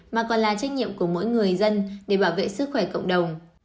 mà còn là trách nhiệm của mỗi người dân để bảo vệ sức khỏe cộng đồng